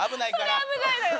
それ危ないのよ。